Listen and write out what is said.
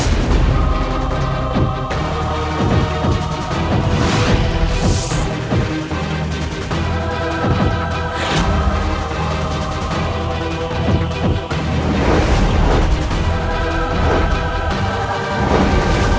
dia akan beruntung sekalipun